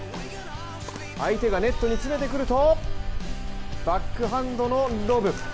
相手がネットに詰めてくるとバックハンドのロブ。